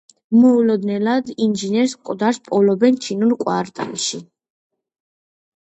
მოულოდნელად ინჟინერს მკვდარს პოულობენ ჩინურ კვარტალში.